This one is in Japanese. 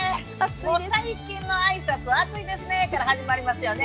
もう最近の挨拶は「暑いですね」から始まりますよね。